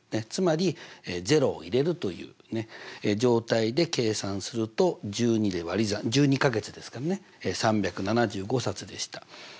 つまり０を入れるという状態で計算すると１２で割り算１２か月ですからね３７５冊でした。